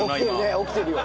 起きてるよ。